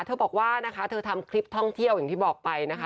บอกว่านะคะเธอทำคลิปท่องเที่ยวอย่างที่บอกไปนะคะ